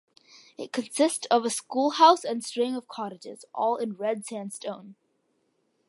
It consist of a schoolhouse and a string of cottages, all in red sandstone.